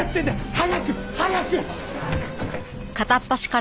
早く早く！